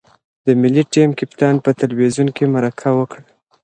د ملي ټیم کپتان په تلویزیون کې مرکه وکړه.